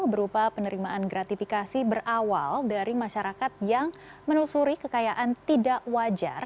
berupa penerimaan gratifikasi berawal dari masyarakat yang menelusuri kekayaan tidak wajar